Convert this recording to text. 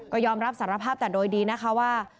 ก็ยอมรับสารภาพแต่โดยดีนะคะว่า